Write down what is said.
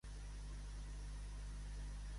No tenir tot son seny.